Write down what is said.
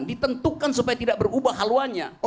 ditentukan supaya tidak berubah haluannya